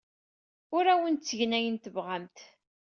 Ur awent-ttgen ayen tebɣamt.